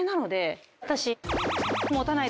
私。